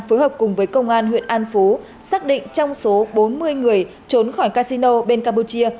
phối hợp cùng với công an huyện an phú xác định trong số bốn mươi người trốn khỏi casino bên campuchia